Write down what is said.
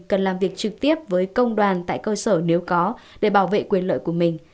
cần làm việc trực tiếp với công đoàn tại cơ sở nếu có để bảo vệ quyền lợi của mình